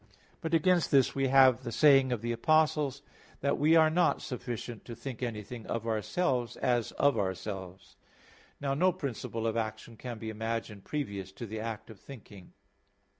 But against this we have the saying of the Apostle (2 Cor. 3:5), that "we are not sufficient to think anything of ourselves as of ourselves." Now no principle of action can be imagined previous to the act of thinking.